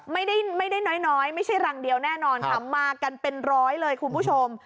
ไม่ได้ไม่ได้น้อยไม่ใช่รังเดียวแน่นอนค่ะมากันเป็นร้อยเลยคุณผู้ชม